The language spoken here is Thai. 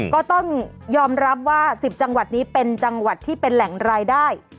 ก็ต้องยอมรับว่า๑๐จังหวัดนี้เป็นจังหวัดที่เป็นแหล่งรายได้